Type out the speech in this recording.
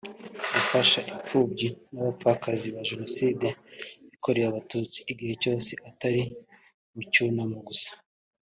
gufasha imfubyi n’abapfakazi ba Jenoside yakorewe Abatutsi igihe cyose atari mu cyunamo gusa